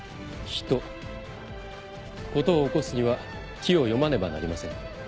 事を起こすには機を読まねばなりません。